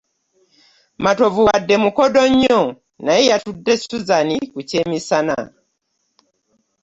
Matovu wadde mukodo nnyo naye yatutte Suzan ku kyemisana.